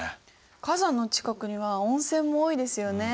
火山の近くには温泉も多いですよね。